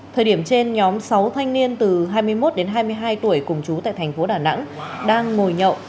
thời điểm trên nhóm sáu thanh niên từ hai mươi một đến hai mươi hai tuổi cùng chú tại thành phố đà nẵng đang ngồi nhậu